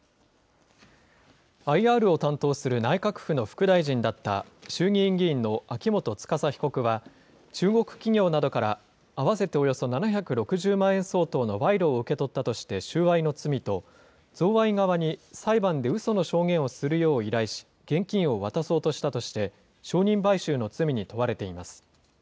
ＩＲを担当する内閣府の副大臣だった衆議院議員の秋元司被告は、中国企業などから合わせておよそ７６０万円相当の賄賂を受け取ったとして収賄の罪と、贈賄側に裁判でうその証言をするよう依頼し、現金を渡そうとしたとして、証人買収の罪に問われています。